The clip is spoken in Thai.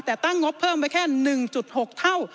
แต่ตั้งงบเพิ่มไปแค่๑๖เท่า